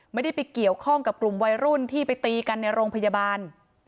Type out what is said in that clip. ไม่ได้ไปเกี่ยวข้องกับกลุ่มวัยรุ่นที่ไปตีกันในโรงพยาบาล